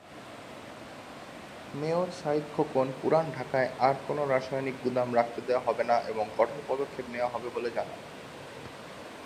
Mayor Sayeed Khokon পুরান ঢাকায় আর কোনো রাসায়নিক গুদাম রাখতে দেয়া হবে না এবং কঠোর পদক্ষেপ নেয়া হবে বলে জানান।